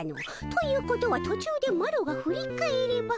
ということは途中でマロが振り返れば。